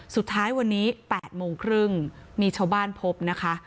สุดท้ายวันนี้๘โมงครึ่งมีชาวบ้านพบนะคะ